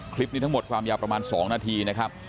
คลิปนี้ทั้งหมดความยาวประมาณ๒นาทีนะครับ